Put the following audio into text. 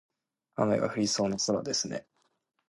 雨が降りそうな空ですね。